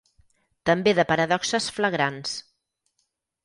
També de paradoxes flagrants.